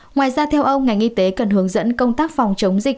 ngoài ra theo ông ngành y tế cần hướng dẫn công tác phòng chống dịch